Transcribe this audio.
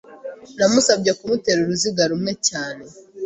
Namusabye kumutera uruziga rumwe cyane.